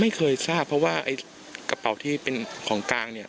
ไม่เคยทราบเพราะว่ากระเป๋าที่เป็นของกลาง